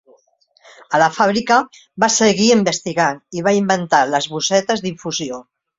A la fàbrica, va seguir investigant i va inventar les bossetes d'infusió.